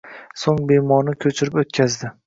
Soʻng bemorni koʻchirib oʻtkazdi